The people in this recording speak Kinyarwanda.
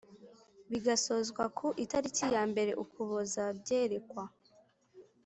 bigasozwa ku itariki ya mbere Ukuboza Byerekwa